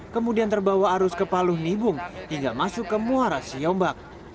kemudian terbawa arus ke paluh nibung hingga masuk ke muara siombak